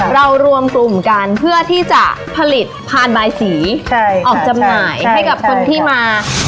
รวมกลุ่มกันเพื่อที่จะผลิตพานบายสีออกจำหน่ายให้กับคนที่มา